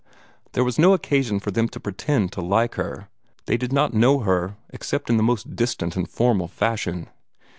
There was no occasion for them to pretend to like her: they did not know her, except in the most distant and formal fashion.